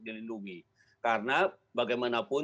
dilindungi karena bagaimanapun